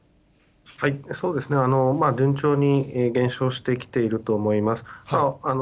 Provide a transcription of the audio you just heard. そうですね、順調に減少してきていると思います。